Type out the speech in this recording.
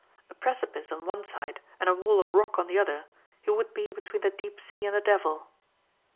A precipice on one side and a wall of rock on the other, he would be between the deep sea and the devil.